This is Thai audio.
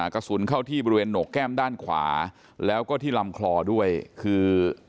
กระสุนเข้าที่บริเวณหนกแก้มด้านขวาแล้วก็ที่ลำคลอด้วยคือ